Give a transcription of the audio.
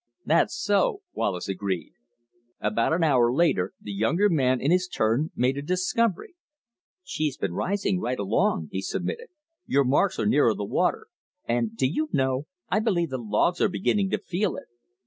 "That's so," Wallace agreed. About an hour later the younger man in his turn made a discovery. "She's been rising right along," he submitted. "Your marks are nearer the water, and, do you know, I believe the logs are beginning to feel it.